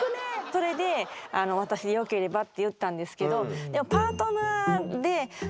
それで「私でよければ」って言ったんですけど。